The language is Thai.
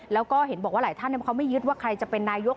แล้วก็เห็นบอกว่าหลายท่านเขาไม่ยึดว่าใครจะเป็นนายก